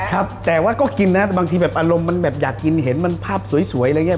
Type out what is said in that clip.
ครับแต่ว่าก็กินน่ะแต่บางทีแบบอารมณ์มันแบบอยากกินเห็นมันภาพสวยแล้วไง